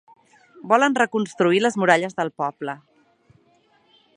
Volen reconstruir les muralles del poble.